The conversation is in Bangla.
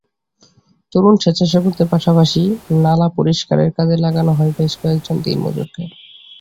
তরুণ স্বেচ্ছাসেবকদের পাশাপাশি নালা পরিষ্কারের কাজে লাগানো হয় বেশ কয়েকজন দিনমজুরকে।